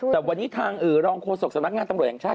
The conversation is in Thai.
แต่วันนี้ทางรองโฆษกสมัครงานตำรวจแหละ